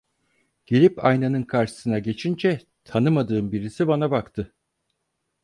Gelip aynanın karşısına geçince, tanımadığım birisi bana baktı…